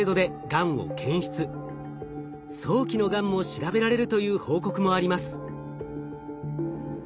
早期のがんも調べられるという報告もあります。